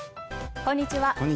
こんにちは。